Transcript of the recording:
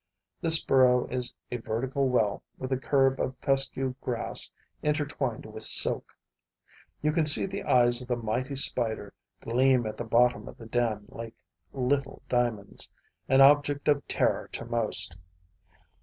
This burrow is a vertical well, with a curb of fescue grass intertwined with silk. You can see the eyes of the mighty Spider gleam at the bottom of the den like little diamonds, an object of terror to most.